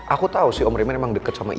aku tau sih om raymond emang deket sama aku